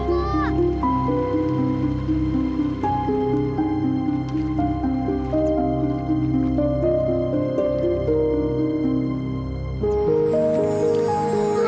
tolong baju tunggu tunggu